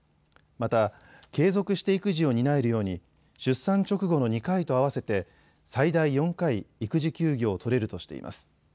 また継続して育児を担えるように出産直後の２回と合わせて最大４回、育児休業を取れるとしています。